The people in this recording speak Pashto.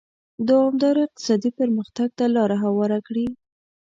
دوامداره اقتصادي پرمختګ ته لار هواره کړي.